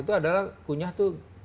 itu adalah kunyah tuh